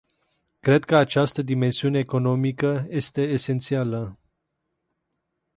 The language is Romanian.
Cred că această dimensiune economică este esențială.